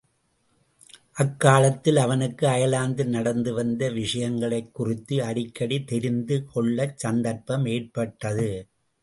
அக்காலத்தில் அவனுக்கு அயர்லாந்தில் நடந்து வந்த விஷயங்களைக் குறித்து அடிக்கடி தெரிந்து கொள்ளச்சந்தர்ப்பம் ஏற்பட்டது.